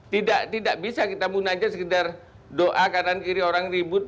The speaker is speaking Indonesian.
tidak bisa kita munajat sekedar doa kanan kiri orang ribut